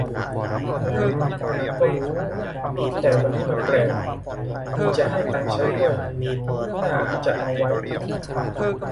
แหม อันนั้นก็รู้ แต่วันนี้มาแปลก มีจะให้ตังค์ใช้ด้วย น่าจะเอาไว้ อิอิ